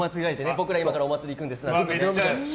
僕ら今からお祭り行くんですみたいなね。